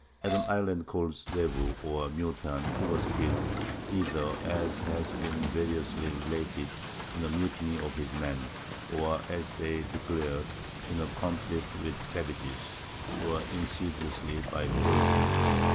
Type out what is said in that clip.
At an island called Zebu, or Mutan, he was killed, either, as has been variously related, in a mutiny of his men, or, as they declared, in a conflict with the savages, or insidiously by poison....